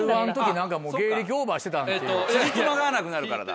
つじつまが合わなくなるからだ。